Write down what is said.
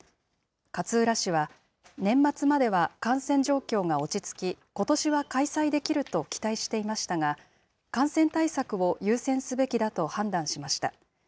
勝浦市は、年末までは感染状況が落ち着き、ことしは開催できると期待していましたが、感染対策を優先すべきだと判断しました。